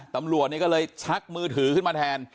ตำรวจก็เลยชักมือถือขึ้นมาแทน